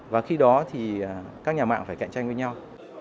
và khi đó thì các nhà mạng phải cạnh tranh với nhau